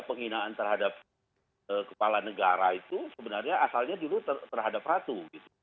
penghinaan terhadap kepala negara itu sebenarnya asalnya dulu terhadap ratu gitu